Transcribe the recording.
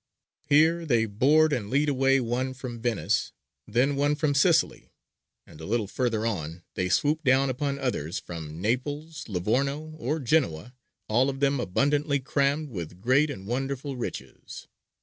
Here they board and lead away one from Venice, then one from Sicily, and a little further on they swoop down upon others from Naples, Livorno, or Genoa, all of them abundantly crammed with great and wonderful riches.